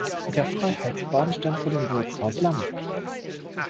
Der Freiheitsbaum stand vor dem Wirtshaus Lamm.